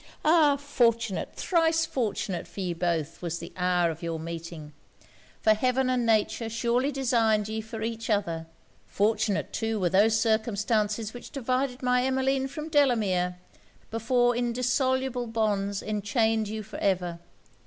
Ah! fortunate, thrice fortunate for ye both, was the hour of your meeting; for heaven and nature surely designed ye for each other! Fortunate, too, were those circumstances which divided my Emmeline from Delamere, before indissoluble bonds enchained you for ever.